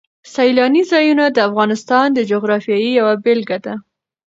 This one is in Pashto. سیلاني ځایونه د افغانستان د جغرافیې یوه بېلګه ده.